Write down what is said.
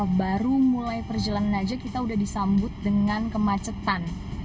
wah baru mulai perjalanan saja kita sudah disambut dengan kemacetan